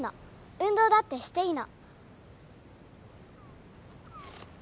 運動だってしていいの。